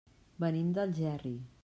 Venim d'Algerri.